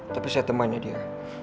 tapi saya temannya dia